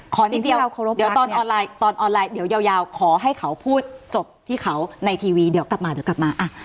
ขอสิ่งเดียวตอนออนไลน์เดี๋ยวยาวขอให้เขาพูดจบที่เขาในทีวีเดี๋ยวกลับมา